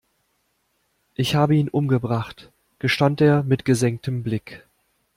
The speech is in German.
Ich habe ihn umgebracht, gestand er mit gesenktem Blick.